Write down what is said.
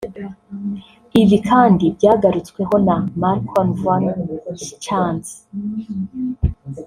Ibi kandi byagarutsweho na Malcolm Von Schantz